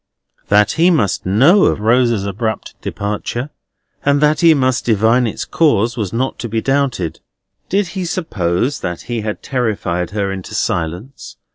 That he must know of Rosa's abrupt departure, and that he must divine its cause, was not to be doubted. Did he suppose that he had terrified her into silence?